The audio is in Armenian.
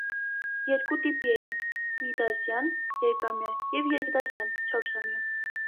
Երկու տիպի էին՝ միդասյան (երկամյա) և երկդասյան (չորսամյա)։